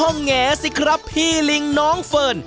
ก็แง่สิครับพี่ลิงน้องเฟิร์น